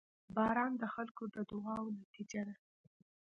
• باران د خلکو د دعاوو نتیجه ده.